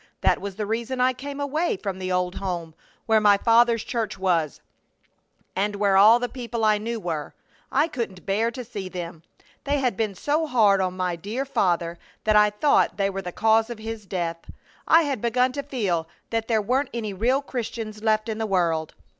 That was the reason I came away from the old home where my father's church was and where all the people I knew were. I couldn't bear to see them. They had been so hard on my dear father that I thought they were the cause of his death. I had begun to feel that there weren't any real Christians left in the world.